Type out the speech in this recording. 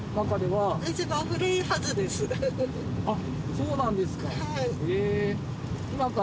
そうなんですか。